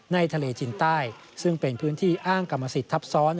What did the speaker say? ทะเลจินใต้ซึ่งเป็นพื้นที่อ้างกรรมสิทธิ์ทับซ้อน